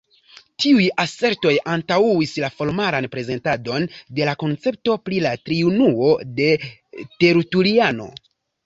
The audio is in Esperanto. Tiuj asertoj antaŭis la formalan prezentadon de la koncepto pri la Triunuo de Tertuliano.